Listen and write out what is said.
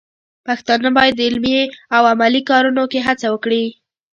پښتانه بايد د علمي او عملي کارونو کې هڅه وکړي.